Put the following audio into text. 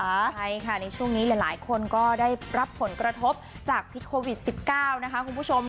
ใช่ค่ะในช่วงนี้หลายคนก็ได้รับผลกระทบจากพิษโควิด๑๙นะคะคุณผู้ชม